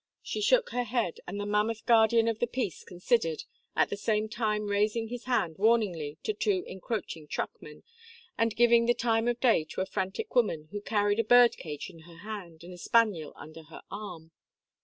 She shook her head, and the mammoth guardian of the peace considered, at the same time raising his hand warningly to two encroaching truckmen, and giving the time of day to a frantic woman who carried a bird cage in her hand and a spaniel under her arm.